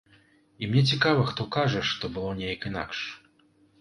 І мне цікава, хто кажа, што было неяк інакш?